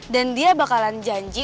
dan dia bakalan janji